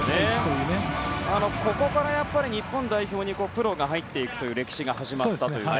ここから日本代表にプロが入っていく歴史が始まったと。